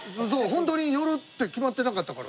ホントに寄るって決まってなかったからね。